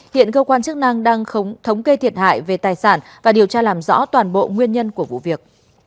hiện cơ quan chức năng đang thống kê thiệt hại về tài sản và điều tra làm rõ toàn bộ nguyên nhân của vụ việc